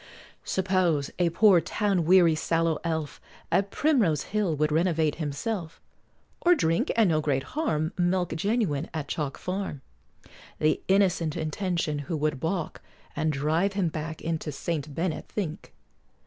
Suppose a poor town weary sallow elf At Primrose hill would renovate himself, Or drink (and no great harm) Milk genuine at Chalk Farm, The innocent intention who would balk, And drive him back into St. Bennet Fink?